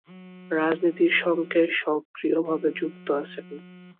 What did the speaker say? রাজনীতির সঙ্গে সক্রিয় ভাবে যুক্ত আছেন।